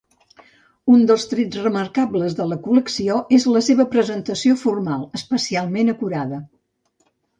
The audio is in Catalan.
Un dels trets remarcables de la col·lecció és la seva presentació formal, especialment acurada.